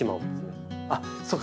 あっそうか。